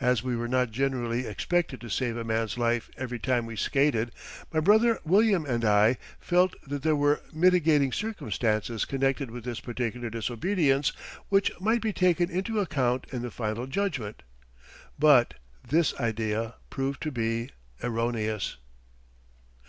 As we were not generally expected to save a man's life every time we skated, my brother William and I felt that there were mitigating circumstances connected with this particular disobedience which might be taken into account in the final judgment, but this idea proved to be erroneous.